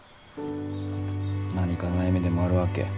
何か悩みでもあるわけ？